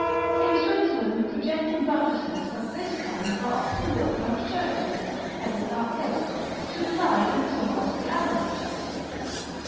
In Switzerland, projecting buttresses of this kind are often built round churches, heading up hill, to divide and throw off the avalanches.